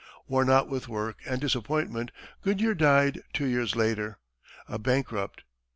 '" Worn out with work and disappointment, Goodyear died two years later, a bankrupt.